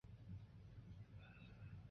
下托拉姆。